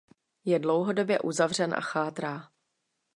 Je dlouhodobě uzavřen a chátrá.